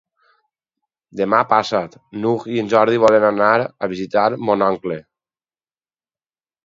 Demà passat n'Hug i en Jordi volen anar a visitar mon oncle.